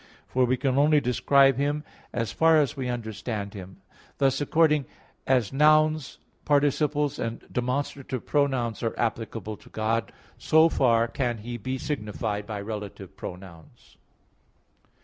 For we can only describe Him as far as we understand Him. Thus, according as nouns, participles and demonstrative pronouns are applicable to God, so far can He be signified by relative pronouns.